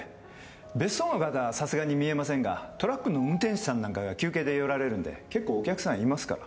別荘の方はさすがに見えませんがトラックの運転手さんなんかが休憩で寄られるんで結構お客さんいますから。